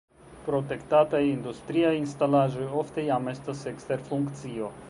Protektataj industriaj instalaĵoj ofte jam estas ekster funkcio.